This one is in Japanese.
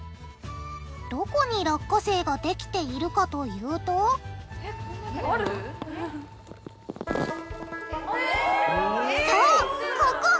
どこに落花生ができているかというとそうここ！